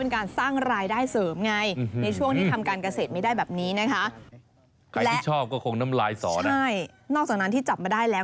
ใครที่ชอบก็คงน้ำรายสอนใช่นอกจากนั้นที่จับมาได้แล้ว